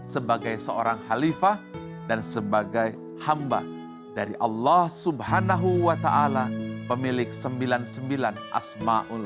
sebagai seorang halifah dan sebagai hamba dari allah subhanahu wa ta'ala pemilik sembilan puluh sembilan asma'ul